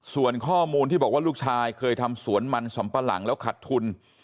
ส่วนข้อมูลที่บอกว่าลูกชายเคยทำสวนมันสำปะหลังแล้วขัดทุน